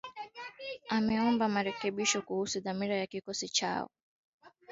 ameomba marekebisho kuhusu dhamira ya kikosi chetu